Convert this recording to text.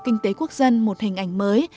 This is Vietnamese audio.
kinh tế quốc dân một hình ảnh mới